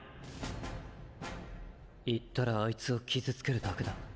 行ったらアイツを傷つけるだけだ。